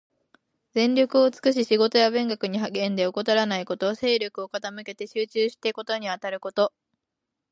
全力を尽くし仕事や勉学に励んで、怠らないこと。精力を傾けて集中して事にあたること。